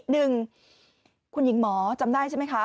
หนึ่งคุณหญิงหมอจำได้ใช่ไหมคะ